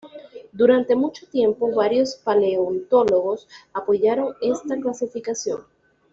Durante mucho tiempo, varios paleontólogos apoyaron esta clasificación.